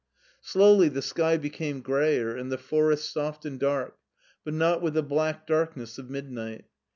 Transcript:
Slowly the sky became grayer and the forest soft and dark, but not with the black darkness of mid night.